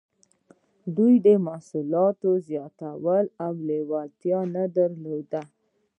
دوی د محصولاتو زیاتوالي ته لیوالتیا نه درلوده.